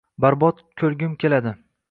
Barbod ko’rgim keladi.